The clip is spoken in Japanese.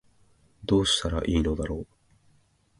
どうしたら良いのだろう